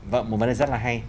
vâng một vấn đề rất là hay